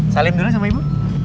salim dulu sama ibu